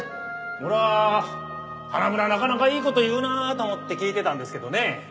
俺は「花村なかなかいい事言うなあ」と思って聞いてたんですけどね。